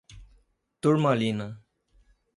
Turmalina